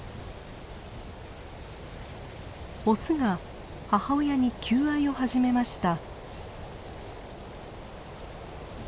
オスが母親に求愛を始めました。